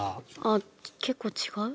あっ結構違う？